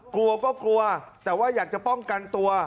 กลัวก็กลัวแต่ว่าอยากจะป้องกันตัว